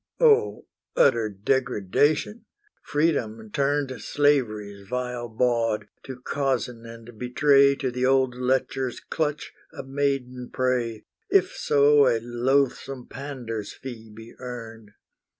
O utter degradation! Freedom turned Slavery's vile bawd, to cozen and betray To the old lecher's clutch a maiden prey, If so a loathsome pander's fee be earned!